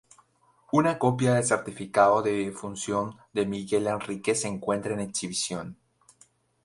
Una copia del certificado de defunción de Miguel Enríquez se encuentra en exhibición.